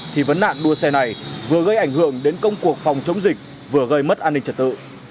thì vấn nạn đua xe này vừa gây ảnh hưởng đến công cuộc phòng chống dịch vừa gây mất an ninh trật tự